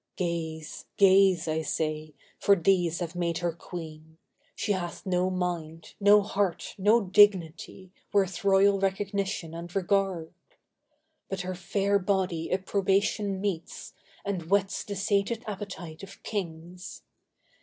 Gaze, gaze, I say, for these have made her queen! She hath no mind, no heart, no dignity, Worth royal recognition and regard; But her fair body approbation meets And whets the sated appetite of kings!